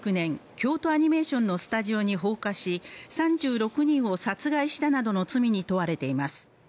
京都アニメーションのスタジオに放火し３６人を殺害したなどの罪に問われています